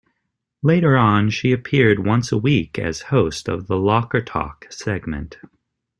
Later on, she appeared once a week as host of the "Locker Talk" segment.